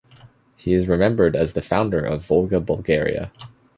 He is remembered as the founder of Volga Bulgaria.